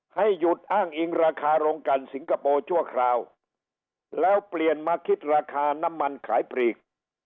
ให้หยุดอ้างอิงราคาโรงกันสิงคโปร์ชั่วคราวแล้วเปลี่ยนมาคิดราคาน้ำมันขายปลีก